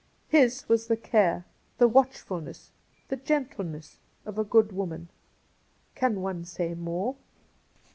His was the care, the watchfulness, the gentleness, of a good woman. Can one say more